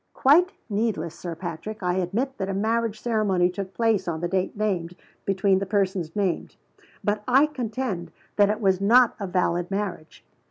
"Quite needless, Sir Patrick! I admit that a marriage ceremony took place on the date named, between the persons named; but I contend that it was not a valid marriage.